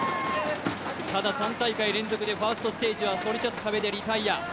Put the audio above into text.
ただ、３大会連続でファーストステージはそり立つ壁でリタイア。